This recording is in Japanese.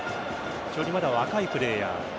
非常にまだ若いプレーヤー。